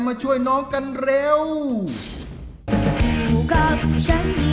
สุดยอดครับขอบคุณค่ะพี่